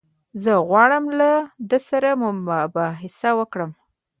زه غواړم له ده سره مباحثه وکړم.